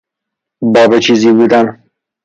باب چیزی بودن